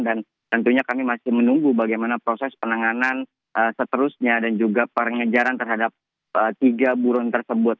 dan tentunya kami masih menunggu bagaimana proses penanganan seterusnya dan juga perengejaran terhadap tiga burun tersebut